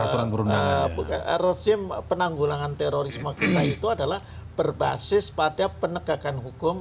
karena rezim penanggulangan terorisme kita itu adalah berbasis pada penegakan hukum